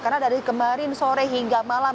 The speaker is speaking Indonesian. karena dari kemarin sore hingga malam